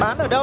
bán ở đâu đấy